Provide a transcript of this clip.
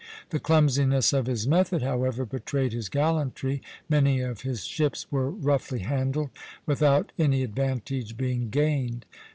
The clumsiness of his method, however, betrayed his gallantry; many of his ships were roughly handled, without any advantage being gained.